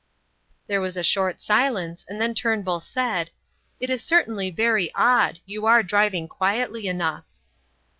There was a short silence, and then Turnbull said: "It is certainly very odd, you are driving quietly enough."